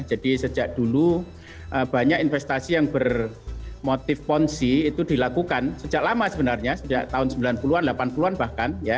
jadi sejak dulu banyak investasi yang bermotif ponzi itu dilakukan sejak lama sebenarnya sejak tahun sembilan puluh an delapan puluh an bahkan ya